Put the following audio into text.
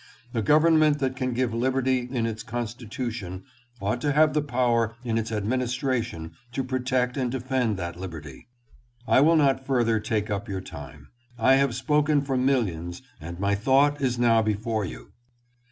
A government that can give liberty in its constitution ought to have the power in its administration to protect and defend that liberty. I will not further take up your time. I have spoken for millions, and my thought is now before you.